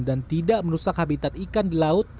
dan tidak merusak habitat ikan di laut